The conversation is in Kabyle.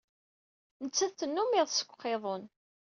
Nettat tennum iḍes deg uqiḍun.